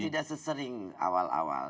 tidak sesering awal awal